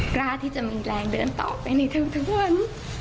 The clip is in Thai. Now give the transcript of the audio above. กล้าที่จะมีแรงเดินต่อไปในทุกวัน